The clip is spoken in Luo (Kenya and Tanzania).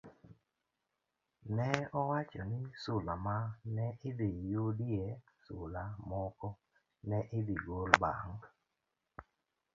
ne owach ni sula ma ne idhi yudie sula moko ne idhi gol bang'